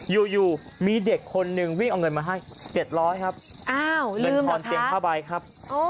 อยู่มีเด็กคนหนึ่งวิ่งเอาเงินมาให้๗๐๐ครับเงินทอนเตียงผ้าใบครับ